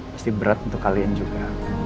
pasti berat untuk kalian juga